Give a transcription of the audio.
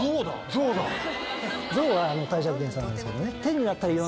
ゾウは帝釈天様なんですけどね。